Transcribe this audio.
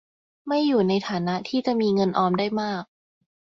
ไม่อยู่ในฐานะที่จะมีเงินออมได้มาก